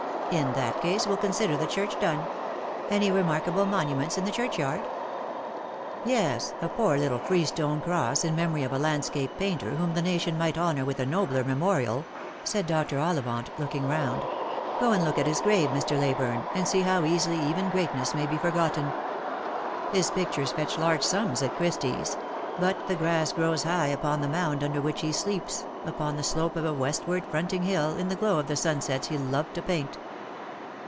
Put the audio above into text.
In that case we'll consider the church done. Any remarkable monuments in the church yard?" " Yes, a poor little freestone cross in memory of a landscape, painter whom the nation might honour with a nobler memorial," said Dr. Ollivant, looking round. " Go and look at his grave, Mr. Leyburne, and see how easily even greatness may be for gotten. His pictures fetch large sums at Christie's ; but the grass grow? high upon the mound under which he sleeps, upon Lost for Love. 145 the slope of a westward fronting hill, in the glow of the sunsets he loved to paint."